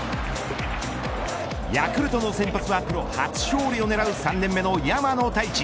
ヤクルトの先発はプロ初勝利を狙う３年目の山野太一。